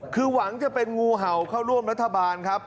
คือหวังจะเป็นงูเห่าเข้าร่วมรัฐบาลครับ